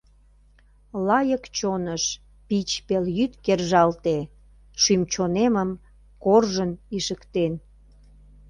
Лайык чоныш пич пелйӱд кержалте, Шӱм-чонемым коржын ишыктен.